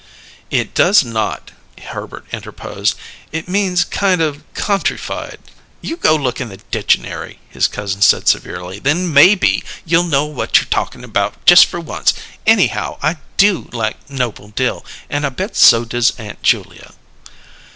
"It does not," Herbert interposed. "It means kind of countrified." "You go look in the ditchanary," his cousin said severely. "Then, maybe, you'll know what you're talkin' about just for once. Anyhow, I do like Noble Dill, and I bet so does Aunt Julia."